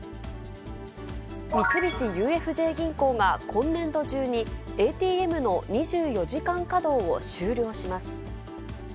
三菱ＵＦＪ銀行が、今年度中にＡＴＭの２４時間稼働を終了します。